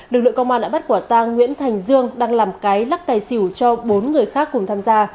lực lượng công an đã bắt quả tang nguyễn thành dương đang làm cái lắc tài xỉu cho bốn người khác cùng tham gia